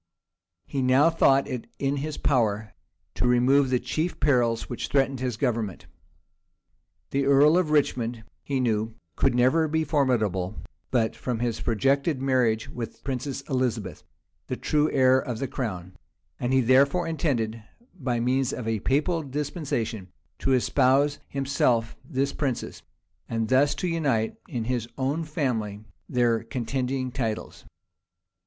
He now thought it in his power to remove the chief perils which threatened his government. The earl of Richmond, he knew, could never be formidable but from his projected marriage with the princess Elizabeth, the true heir of the crown; and he therefore intended, by means of a papal dispensation, to espouse, himself, this princess, and thus to unite in his own family their contending titles.